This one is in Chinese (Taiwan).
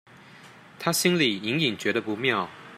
她心裡隱隱覺得不妙